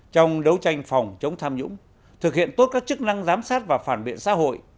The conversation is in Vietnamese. trong đấu tranh phòng chống tham nhũng thực hiện tốt các chức năng giám sát và phản biện xã hội